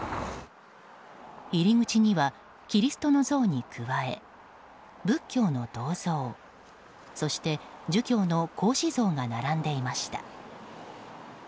入り口にはキリストの像に加え仏教の銅像そして儒教の孔子像が並んでいました。